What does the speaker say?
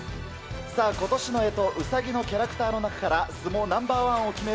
さあ、今年のえと、うさぎのキャラクターの中から、相撲ナンバー１を決める